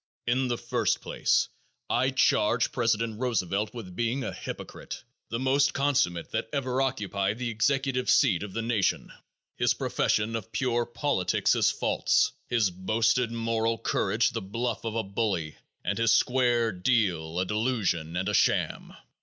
In the first place, I charge President Roosevelt with being a hypocrite, the most consummate that ever occupied the executive seat of the nation. His profession of pure politics is false, his boasted moral courage the bluff of a bully and his "square deal" a delusion and a sham.